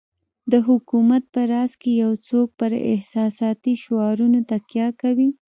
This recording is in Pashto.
د حکومت په راس کې یو څوک پر احساساتي شعارونو تکیه کوي.